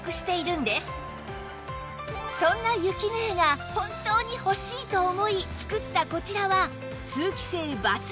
そんなゆきねえが本当に欲しいと思い作ったこちらは通気性抜群！